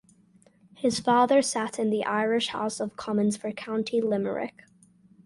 His father sat in the Irish House of Commons for County Limerick.